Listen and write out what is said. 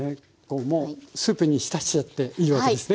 スープに浸しちゃっていいわけですね。